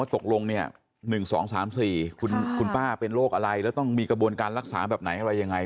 ตกลงเนี่ย๑๒๓๔คุณป้าเป็นโรคอะไรแล้วต้องมีกระบวนการรักษาแบบไหนอะไรยังไง